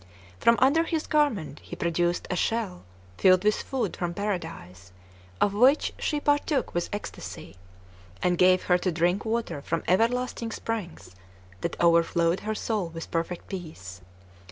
From under his garment he produced a shell filled with food from paradise, of which she partook with ecstasy; and gave her to drink water from everlasting springs, that overflowed her soul with perfect peace.